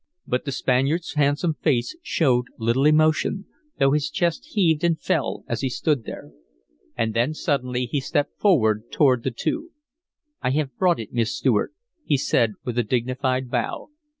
But the Spaniard's handsome face showed little emotion, though his chest heaved and fell as he stood there. And then suddenly he stepped forward toward the two. "I have brought it, Miss Stuart," he said, with a dignified bow.